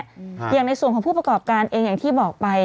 อย่างในส่วนของผู้ประกอบการเองอย่างที่บอกไป